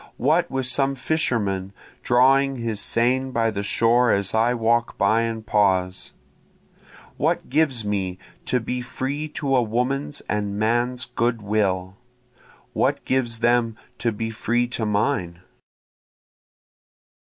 What with some fisherman drawing his seine by the shore as I walk by and pause? What gives me to be free to a woman's and man's good will? what gives them to be free to mine?